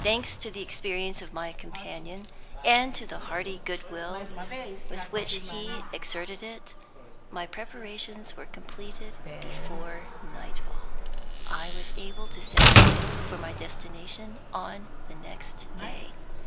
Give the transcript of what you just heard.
Thanks to the experience of my companion, and to the hearty good will with which he exerted it, my preparations were completed before night fall. I was able to set sail for my destination on the next day.